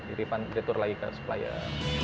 iripan diatur lagi ke supplier